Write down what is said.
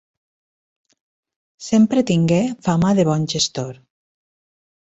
Sempre tingué fama de bon gestor.